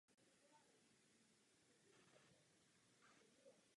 Jsou namířeny proti lidem s cílem je zabít či zmrzačit.